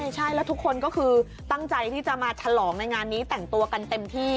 ใช่แล้วทุกคนก็คือตั้งใจที่จะมาฉลองในงานนี้แต่งตัวกันเต็มที่